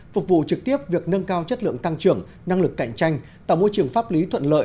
phục vụ trực tiếp việc nâng cao chất lượng tăng trưởng năng lực cạnh tranh tạo môi trường pháp lý thuận lợi